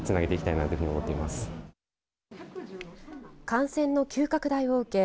感染の急拡大を受け